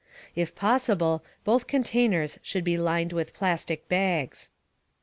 If possible, both containers should be lined with plastic bags.